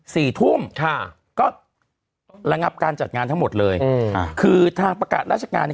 สี่ทุ่มค่ะก็ระงับการจัดงานทั้งหมดเลยอืมค่ะคือทางประกาศราชงานเนี้ย